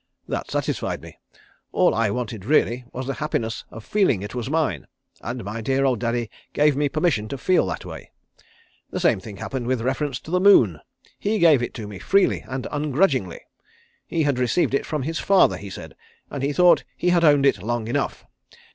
That satisfied me. All I wanted really was the happiness of feeling it was mine, and my dear old daddy gave me permission to feel that way. The same thing happened with reference to the moon. He gave it to me freely and ungrudgingly. He had received it from his father, he said, and he thought he had owned it long enough.